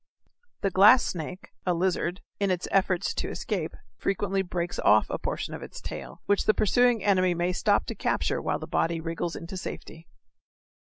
The glass snake (a lizard) in its efforts to escape, frequently breaks off a portion of its tail, which the pursuing enemy may stop to capture while the body wriggles into safety.